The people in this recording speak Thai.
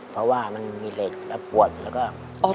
เพราะว่ามันมีเหล็กและปวดแล้วก็